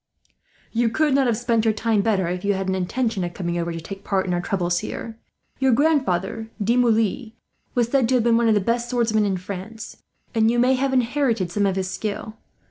"You could not have spent your time better, if you had an intention of coming over to take part in our troubles here. Your grandfather, De Moulins, was said to be one of the best swordsmen in France; and you may have inherited some of his skill.